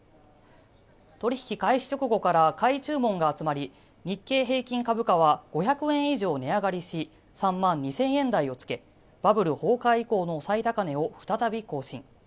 取引開始直後から買い注文が集まり、日経平均株価は、５００円以上値上がりし、３万２０００円台をつけ、バブル崩壊以降の最高値を再び更新。